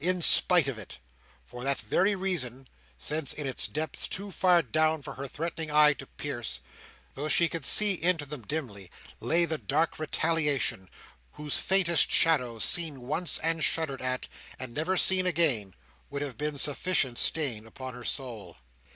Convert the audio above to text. In spite of it! For that very reason; since in its depths, too far down for her threatening eye to pierce, though she could see into them dimly, lay the dark retaliation, whose faintest shadow seen once and shuddered at, and never seen again, would have been sufficient stain upon her soul.